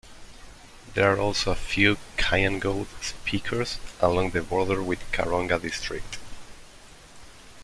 There are also a few Kyangonde speakers along the border with Karonga District.